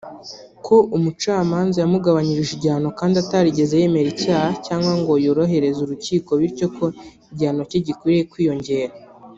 ko umucamanza yamugabanyirije igihano kandi atarigeze yemera icyaha cyangwa ngo yorohereze urukiko bityo ko igihano cye gikwiye kwiyongera